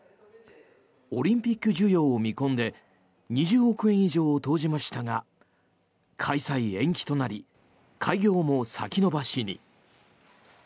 オリンピック需要を見込んで２０億円以上を投じましたが開催延期となり開業も先延ばしに。